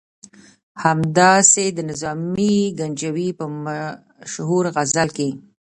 همداسې د نظامي ګنجوي په مشهور غزل کې.